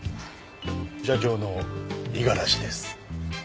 社長の五十嵐です。